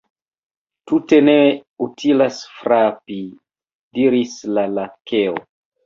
"Tute ne utilas frapi," diris la Lakeo."